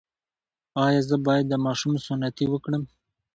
ایا زه باید د ماشوم سنتي وکړم؟